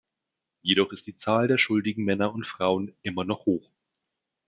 Jedoch ist die Zahl der schuldigen Männer und Frauen immer noch hoch.